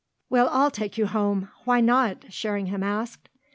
"We'll all take you home; why not?" Sherringham asked.